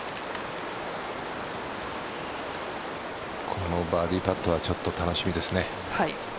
このバーディーパットはちょっと楽しみですね。